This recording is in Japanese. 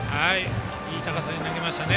いい高さで投げましたね。